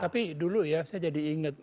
tapi dulu ya saya jadi ingat